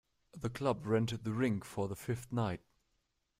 The club rented the rink for the fifth night.